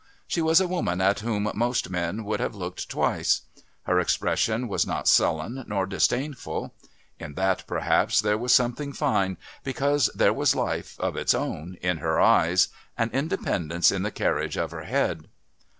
She was a woman at whom most men would have looked twice. Her expression was not sullen nor disdainful; in that, perhaps, there was something fine, because there was life, of its own kind, in her eyes, and independence in the carriage of her head.